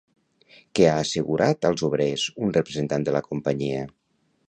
Què ha assegurat als obrers un representant de la companyia?